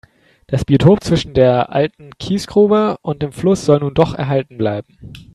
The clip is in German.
Das Biotop zwischen der alten Kiesgrube und dem Fluss soll nun doch erhalten bleiben.